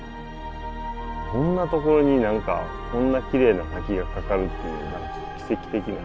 こんなところに何かこんなきれいな滝がかかるっていう奇跡的な。